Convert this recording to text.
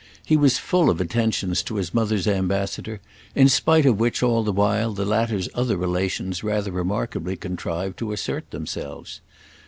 He was full of attentions to his mother's ambassador; in spite of which, all the while, the latter's other relations rather remarkably contrived to assert themselves.